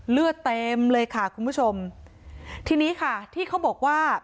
เลือดเต็มเลยค่ะคุณผู้ชมทีนี้ค่ะที่เขาบอกว่า